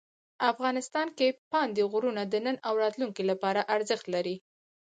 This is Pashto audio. افغانستان کې پابندی غرونه د نن او راتلونکي لپاره ارزښت لري.